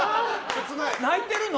泣いてるの？